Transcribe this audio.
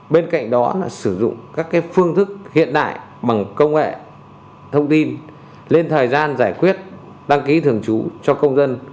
bên cạnh đó là sử dụng các phương thức hiện đại bằng công nghệ thông tin lên thời gian giải quyết đăng ký thường trú cho công dân